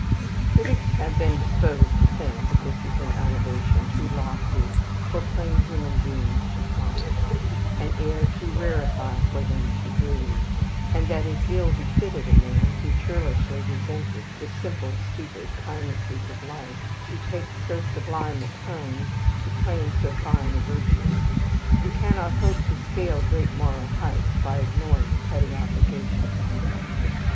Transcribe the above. Critics have been disposed to think that this is an elevation too lofty for plain human beings to climb, an air too rarified for them to breathe; and that it ill befitted a man who churlishly resented the simple, stupid kindnesses of life, to take so sublime a tone, to claim so fine a virtue. We cannot hope to scale great moral heights by ignoring petty obligations.